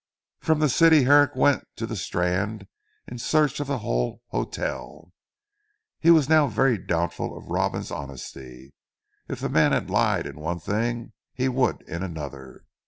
From the city Herrick went to the Strand in search of the Hull Hotel. He was now very doubtful of Robin's honesty. If the man had lied in one thing he would in another.